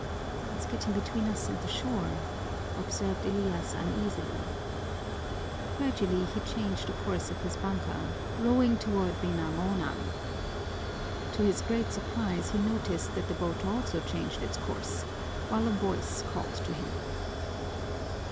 "It's getting between us and the shore," observed Elias uneasily. Gradually he changed the course of his banka, rowing toward Binangonan. To his great surprise he noticed that the boat also changed its course, while a voice called to him.